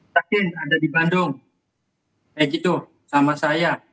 yakin ada di bandung pegi tuh sama saya